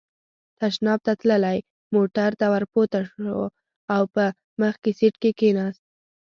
تشناب ته تللی، موټر ته ور پورته شو او په مخکې سېټ کې کېناست.